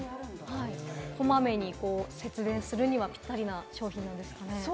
こまめに節電するには、ぴったりな商品なんですかね？